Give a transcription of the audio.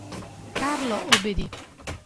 Carlo obbedì.